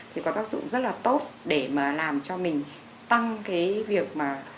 thì có tác dụng rất là tốt để mà làm cho mình tăng cái việc mà